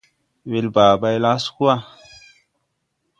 Welba bay laa sug wa.